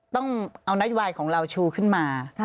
ต้องเอานโยบายของเราชูขึ้นมา